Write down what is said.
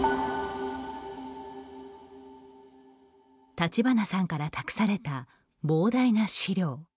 立花さんから託された膨大な資料。